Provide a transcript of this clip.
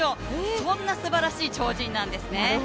そんなすばらしい超人なんですね。